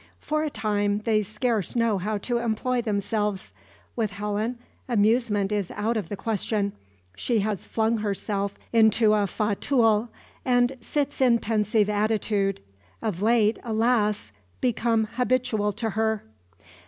For a time they scarce know how to employ themselves. With Helen, amusement is out of the question. She has flung herself into a fauteuil, and sits in pensive attitude; of late, alas! become habitual to her.